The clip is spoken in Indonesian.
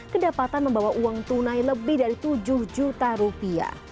kedapatan membawa uang tunai lebih dari tujuh juta rupiah